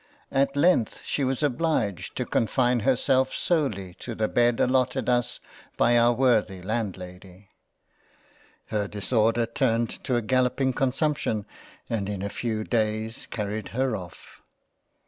At length she was obliged to confine herself solely to the Bed allotted us by our worthy Landlady —. Her disorder turned to a galloping Consumption and in a few days carried her off.